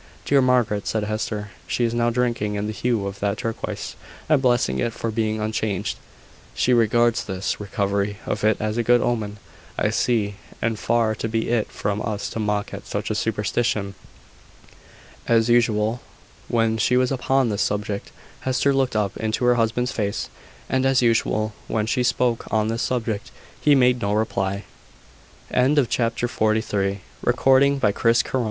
"Dear Margaret!" said Hester. "She is now drinking in the hue of that turquoise, and blessing it for being unchanged. She regards this recovery of it as a good omen, I see; and far be it from us to mock at such a superstition!" As usual, when she was upon this subject, Hester looked up into her husband's face: and as usual, when she spoke on this subject, he made no reply. CHAPTER FORTY FOUR. LATE RELIGION. A few days after Morris's return, s